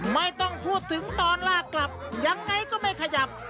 ไม่ต้องพูดถึงตอนลากกลับยังไงก็ไม่ขยับ